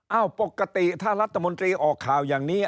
ปกติถ้ารัฐมนตรีออกข่าวอย่างนี้